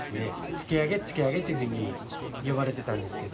「つきあげ」「つきあげ」というふうによばれてたんですけど。